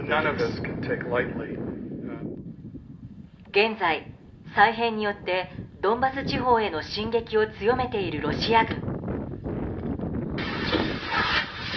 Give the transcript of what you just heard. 現在、再編によってドンバス地方への進撃を強めているロシア軍。